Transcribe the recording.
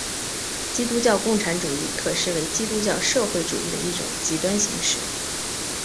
基督教共产主义可视为基督教社会主义的一种极端形式。